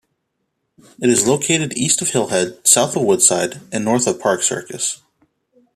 It is located east of Hillhead, south of Woodside, and north of Park Circus.